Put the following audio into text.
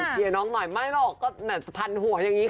เชียร์น้องหน่อยมีจะฟันหัวอย่างนี้